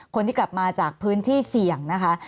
คนที่กลับมาจากพื้นที่เสี่ยงนะคะ